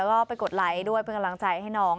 ก็ไปกดไลค์ด้วยเป็นกำลังใจให้น้อง